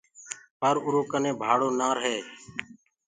پر اُرو ڪني ڀآڙو نآ رهي۔